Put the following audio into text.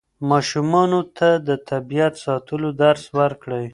ماشومانو ته د طبیعت ساتلو درس ورکړئ.